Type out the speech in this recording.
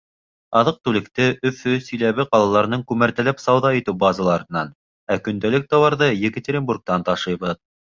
Аҙыҡ-түлекте Өфө, Силәбе ҡалаларының күмәртәләп сауҙа итеү базаларынан, ә көндәлек тауарҙы Екатеринбургтан ташыйбыҙ.